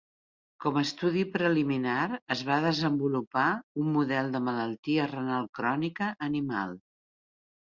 Com a estudi preliminar, es va desenvolupar un model de malaltia renal crònica animal.